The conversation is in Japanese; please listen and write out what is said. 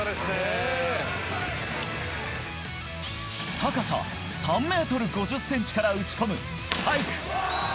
高さ３ｍ５０ｃｍから打ち込むスパイク。